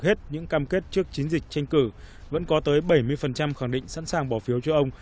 hết những cam kết trước chiến dịch tranh cử vẫn có tới bảy mươi khẳng định sẵn sàng bỏ phiếu cho ông